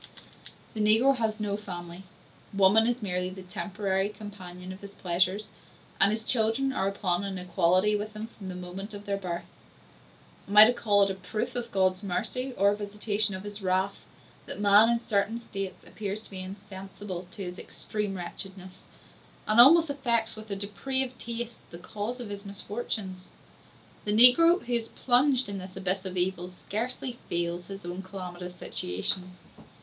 The negro has no family; woman is merely the temporary companion of his pleasures, and his children are upon an equality with himself from the moment of their birth. Am I to call it a proof of God's mercy or a visitation of his wrath, that man in certain states appears to be insensible to his extreme wretchedness, and almost affects, with a depraved taste, the cause of his misfortunes? The negro, who is plunged in this abyss of evils, scarcely feels his own calamitous situation.